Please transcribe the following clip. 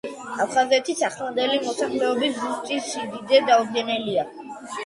აფხაზეთის ახლანდელი მოსახლეობის ზუსტი სიდიდე დაუდგენელია.